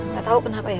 gak tau kenapa ya